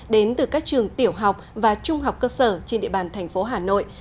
đến từ các trường tiểu học và trung học cơ sở trên địa bàn thành phố hà nội